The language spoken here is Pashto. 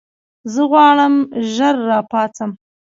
زه غواړم ژر راپاڅم.